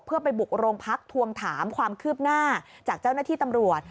เพื่อไปบุกโรงพักทวงถามความคืบหน้าจากเจ้าหน้าที่ตำรวจ